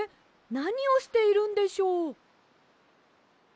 なにをしているんでしょう？